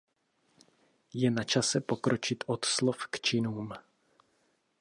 Je načase pokročit od slov k činům.